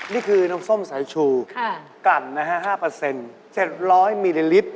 นี่คือน้ำส้มสายชูกรันนะครับ๕๐๐เปอร์เซ็นต์๗๐๐มิลลิตร